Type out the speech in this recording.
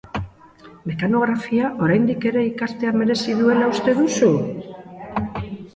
Mekanografia, oraindik ere, ikastea merezi duela uste duzu?